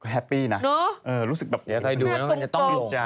แฮปปี้นะรู้สึกแบบพิจัยน่ากลง